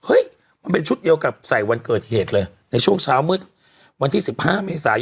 มันเป็นชุดเดียวกับใส่วันเกิดเหตุเลยในช่วงเช้ามืดวันที่๑๕เมษายน